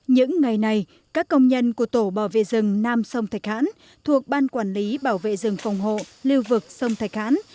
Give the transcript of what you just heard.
những ngày này các công nhân của tổ bảo vệ rừng nam sông thạch hãn thuộc ban quản lý bảo vệ rừng phòng hộ lưu vực sông thạch hãn